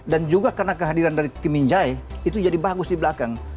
dan juga karena kehadiran dari kim min jae itu jadi bagus di belakang